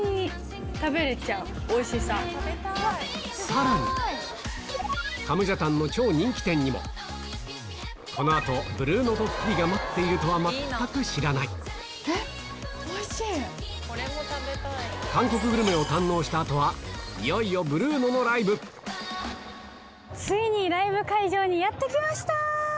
さらにカムジャタンの超人気店にもこの後ブルーノドッキリが待っているとは全く知らない韓国グルメを堪能した後はいよいよブルーノのライブついに。